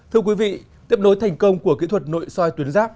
thưa quý vị tiếp nối thành công của kỹ thuật nội soi tuyến giáp